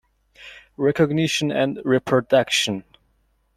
Recognition and reproduction.